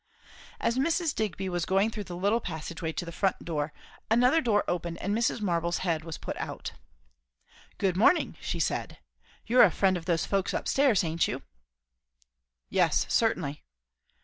As Mr. Digby was going through the little passage way to the front door, another door opened and Mrs. Marble's head was put out. "Good morning!" she said. "You're a friend of those folks up stairs, aint you?" "Yes, certainly."